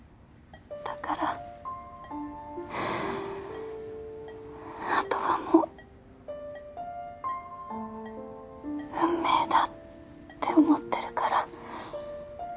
だから後はもう運命だって思ってるから。